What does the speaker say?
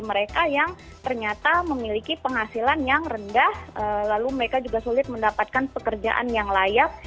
mereka yang ternyata memiliki penghasilan yang rendah lalu mereka juga sulit mendapatkan pekerjaan yang layak